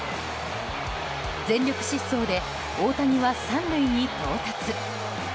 全力疾走で大谷は３塁に到達。